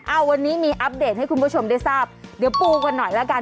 เอาวันนี้มีอัปเดตให้คุณผู้ชมได้ทราบเดี๋ยวปูกันหน่อยละกัน